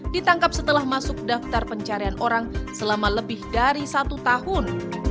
ditangkap setelah masuk daftar pencarian orang selama lebih dari satu tahun